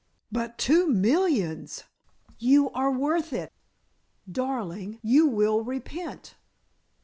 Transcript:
"But two millions " "You are worth it." "Darling, you will repent."